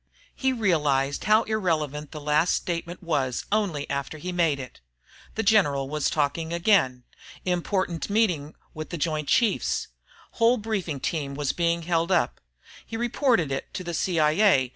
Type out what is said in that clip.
He realized how irrelevant the last statement was only after he had made it. The General was talking again ... important meeting with the Joint Chiefs ... whole briefing team was being held up ... he'd reported it to the C.I.A.